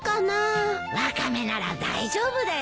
ワカメなら大丈夫だよ。